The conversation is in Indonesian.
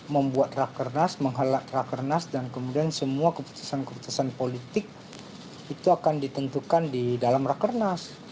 membuat rakernas menghalak rakernas dan kemudian semua keputusan keputusan politik itu akan ditentukan di dalam rakernas